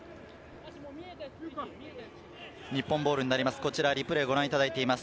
日本ボールになります。